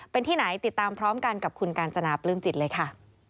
เป็นที่ไหนติดตามพร้อมกันกับคุณกาญจนาปลื้มจิตเลยค่ะ